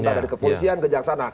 entah dari kepolisian ke jaksaan